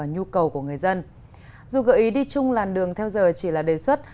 nhưng là đường theo giờ chỉ là đề xuất